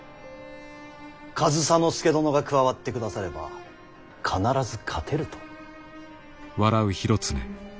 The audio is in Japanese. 上総介殿が加わってくだされば必ず勝てると。